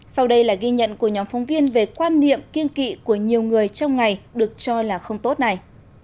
sau đây là ghi nhận của nhóm phóng viên về quan niệm kiên kỵ của nhiều người trong ngày được cho là không tốt này